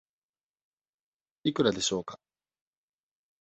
いくらでしょうか。